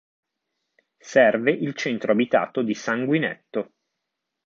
Serve il centro abitato di Sanguinetto.